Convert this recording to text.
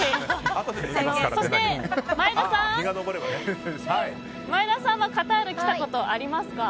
そして、前田さんはカタールに来たことありますか？